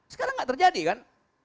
sekarang gak terjadi kan